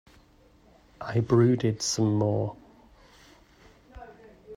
I brooded some more.